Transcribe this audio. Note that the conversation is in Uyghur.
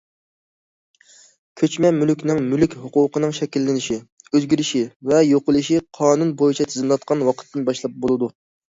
كۆچمە مۈلۈكنىڭ مۈلۈك ھوقۇقىنىڭ شەكىللىنىشى، ئۆزگىرىشى ۋە يوقىلىشى قانۇن بويىچە تىزىملاتقان ۋاقىتتىن باشلاپ بولىدۇ.